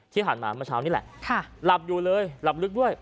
ที่ผ่านมาเมื่อเช้านี่แหละหลับอยู่เลยหลับลึกด้วย